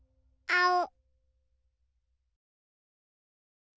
あお？